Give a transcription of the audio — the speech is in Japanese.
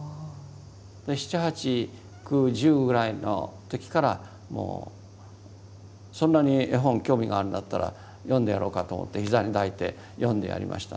７８９１０ぐらいの時からもうそんなに絵本興味があるんだったら読んでやろうかと思って膝に抱いて読んでやりました。